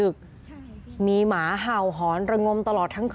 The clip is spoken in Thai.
อื้อมันก็เป็นคนตัวเนี่ย